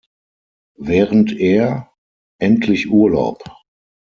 Während er "Endlich Urlaub!